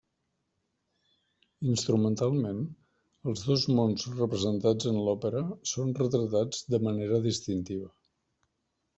Instrumentalment els dos mons representats en l’òpera són retratats de manera distintiva.